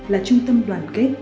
là trung tâm đoàn kết